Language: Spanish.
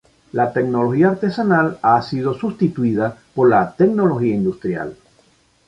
La tecnología artesanal ha sido sustituida por la tecnología industrial.